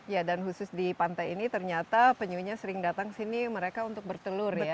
ya dan khusus di pantai ini ternyata penyunya sering datang ke sini mereka untuk bertelur ya